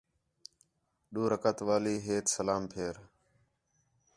ݙُُِو رکعت والی ہیت سلام پھیر